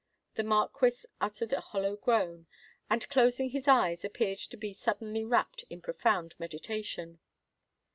The Marquis uttered a hollow groan, and, closing his eyes, appeared to be suddenly wrapt in profound meditation.